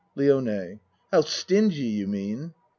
LIONE How stingy you mean.